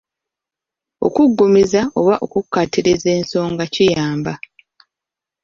Okuggumiza oba okukkaatiriza ensonga kiyamba.